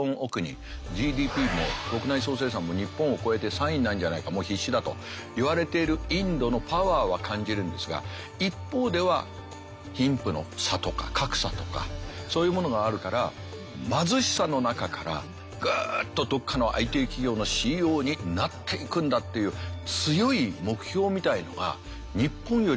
ＧＤＰも国内総生産も日本を超えて３位になるんじゃないかもう必至だといわれているインドのパワーは感じるんですが一方では貧富の差とか格差とかそういうものがあるから貧しさの中からグッとどっかのＩＴ企業のＣＥＯになっていくんだっていう強い目標みたいなのが日本よりもかなりありますかね。